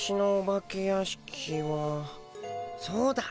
そうだ！